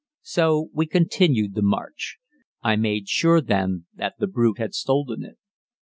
So we continued the march. I made sure then that the brute had stolen it.